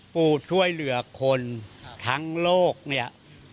ปู่ช่วยเหลือคนทั้งโลกเนี่ย